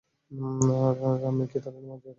রামমিক, কি ধরনের মজা এটা!